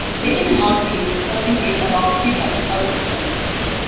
The station and all trains serving it are operated by Southeastern.